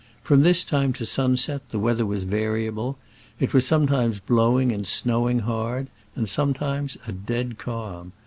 From this time to sunset the weather was variable. It was sometimes blowing and snowing hard, and sometimes a dead calm.